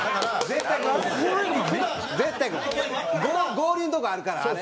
合流のとこあるからあれ。